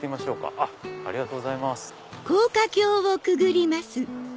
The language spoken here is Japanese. ありがとうございます。